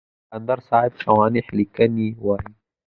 د قلندر صاحب سوانح ليکونکي وايي.